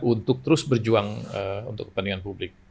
untuk terus berjuang untuk kepentingan publik